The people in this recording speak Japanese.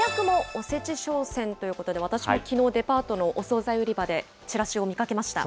おせち商戦ということで、私もきのう、デパートのお総菜売り場で、チラシを見かけました。